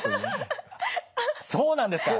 そうなんですか。